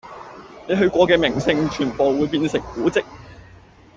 你去過嘅名勝全部會變成古蹟